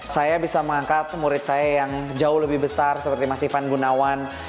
saya bisa mengangkat murid saya yang jauh lebih besar seperti mas ivan gunawan